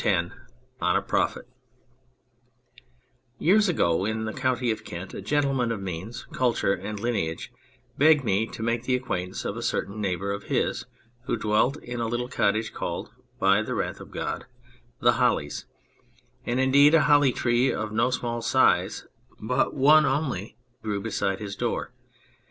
62 ON A PROPHET YEARS ago in the county of Kent a gentleman of means, culture and lineage begged me to make the acquaintance of a certain neighbour of his who dwelt in a little cottage called (by the wrath of God) " The Hollies " and, indeed, a holly tree of no small size, but one only, grew beside his door.